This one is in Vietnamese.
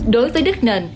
đối với đất nền